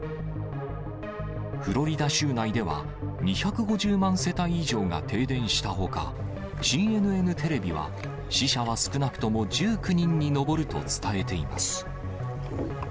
フロリダ州内では、２５０万世帯以上が停電したほか、ＣＮＮテレビは、死者は少なくとも１９人に上ると伝えています。